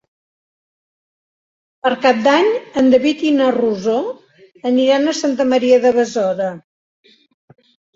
Per Cap d'Any en David i na Rosó aniran a Santa Maria de Besora.